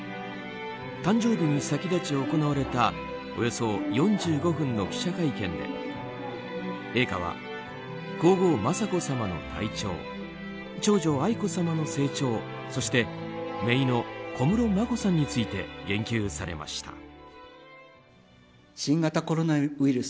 誕生日に先立ち行われたおよそ４５分の記者会見で陛下は皇后・雅子さまの体調長女・愛子さまの成長そしてめいの小室眞子さんについて言及されました。